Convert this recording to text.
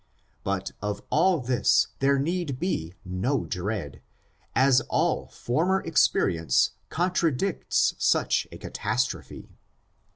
But of all this there need be no dread, as all former experience contradicts such a catastrophe.